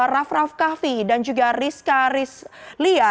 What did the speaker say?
raff raff kahvi dan juga rizka rizlia